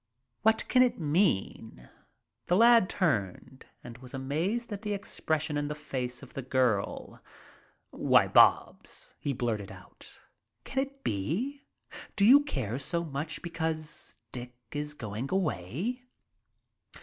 What can it mean?" The lad turned and was amazed at the expression in the face of the girl. "Why, Bobs," he blurted out, "can it be do you care so much because Dick is going away."